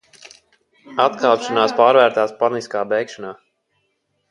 Atkāpšanās pārvērtās paniskā bēgšanā.